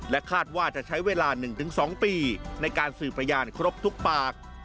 คาดว่าจะใช้เวลา๑๒ปีในการสื่อพยานครบทุกปาก